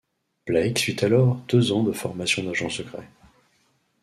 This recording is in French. Blake suit alors deux ans de formation d’agent secret.